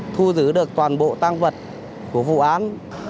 thu giữ được toàn bộ tăng vật của vụ án